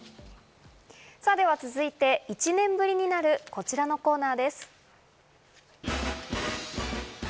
さぁ、では続いて１年ぶりになる、こちらのコーナーです。